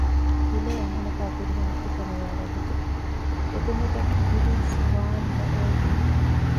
ހިލޭ އަންހެނަކާއި ފިރިހެނެއް އެކަނިވާ ވަގުތު އެދެމެދަށް އިބިލީސް ވާންނެއޭ ބުނެ